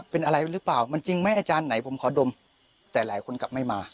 เป็นอะไรหรือเปล่ามันจริงไหมอาจารย์ไหนผมขอดมแต่หลายคนกลับไม่มา